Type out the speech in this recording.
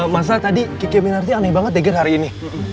masa tadi kiki aminarti aneh banget ya gier hari ini